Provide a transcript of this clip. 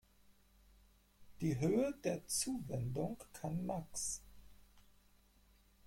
Die Höhe der Zuwendung kann max.